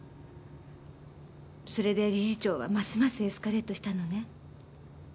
それで理事長はますますエスカレートしたのね。